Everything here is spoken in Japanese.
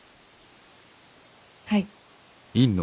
はい。